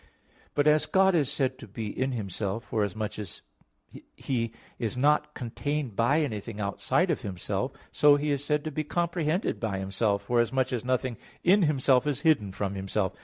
But as God is said to be in Himself, forasmuch as He is not contained by anything outside of Himself; so He is said to be comprehended by Himself, forasmuch as nothing in Himself is hidden from Himself.